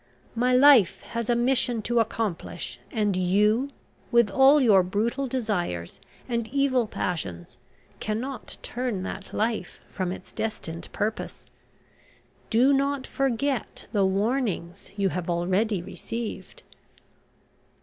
My life has a mission to accomplish, and you, with all your brutal desires and evil passions, cannot turn that life from its destined purpose. Do not forget the warnings you have already received."